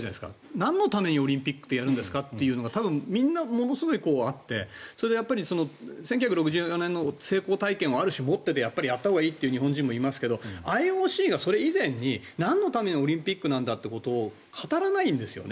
なんのためにオリンピックやるんですかっていうのが皆さんものすごくあって１９６４年の成功体験を持ってやっぱりやったほうがいいという日本人もいますけどＩＯＣがそれ以前になんのためのオリンピックなんだって語らないんですよね。